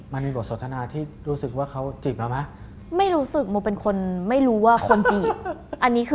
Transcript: มันมีบทสดทนาที่รู้สึกว่าเขาจีบแล้วไหม